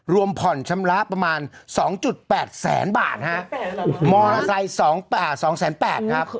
รวมผ่อนชำระประมาณสองจุดแปดแสนบาทฮะมอเตอร์ไซค์สองอ่าสองแสนแปดครับ